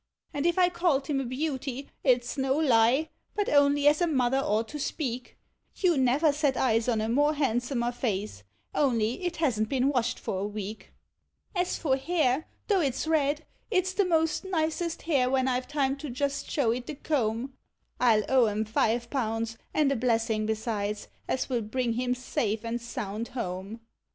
And if I called him a beauty, it 's no lie, but only as a mother ought to speak ; You never set eyes on a more handsomer face, only it hasn't been washed for a week; As for hair, though it 's red, it 's the most nicest hair wheu 1 've time to just show it the comb ; I '11 owe 'em live pounds, and a blessing besides, as will bring him safe and sound home.